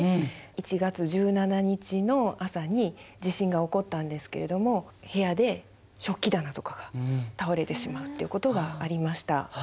１月１７日の朝に地震が起こったんですけれども部屋で食器棚とかが倒れてしまうっていうことがありました。